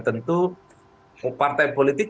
tentu partai politik